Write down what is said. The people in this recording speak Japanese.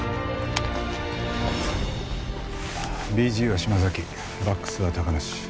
ＢＧは島崎バックスは高梨。